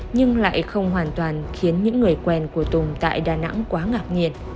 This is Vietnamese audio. nhưng lại không hoàn toàn khiến những người quen của tùng tại đà nẵng quá ngạc nhiên